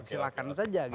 silahkan saja gitu